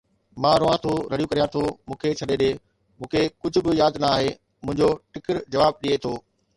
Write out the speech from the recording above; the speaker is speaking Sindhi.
مان روئان ٿو، رڙيون ڪريان ٿو، مون کي ڇڏي ڏي، مون کي ڪجهه به ياد نه آهي، منهنجو ٽِڪر جواب ڏئي ٿو